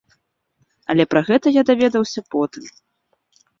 Але пра гэта я даведаўся потым.